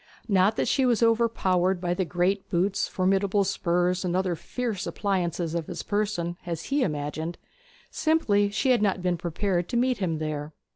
Not that she was overpowered by the great boots, formidable spurs, and other fierce appliances of his person, as he imagined; simply she had not been prepared to meet him there.